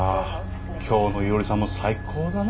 ああ今日の伊織さんも最高だなおい。